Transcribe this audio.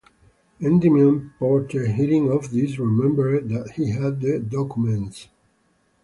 Endymion Porter hearing of this remembered he had the documents.